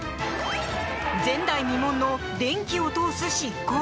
前代未聞の電気を通す執行。